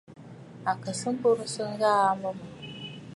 À kɨ sɨ bùrə̀sə̀ aà ŋ̀ŋèə mbô mi.